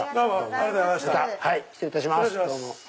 ありがとうございます。